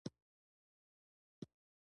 انسټاګرام د ژوند ښکلي شېبې خوندي کوي.